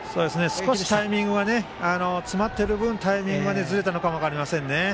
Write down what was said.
少し詰まっている分タイミングがずれたのかも分かりませんね。